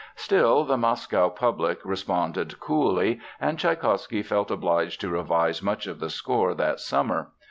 Still, the Moscow public responded coolly, and Tschaikowsky felt obliged to revise much of the score that summer.